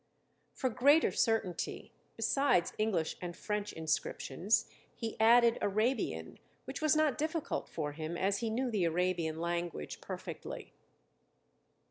For greater certainty, besides English and French inscriptions he added Arabian, which was not difficult for him, as he knew the Arabian language perfectly.